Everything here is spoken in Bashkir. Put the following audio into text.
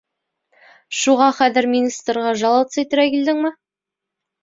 Шуға хәҙер министрға жаловаться итергә килдеңме?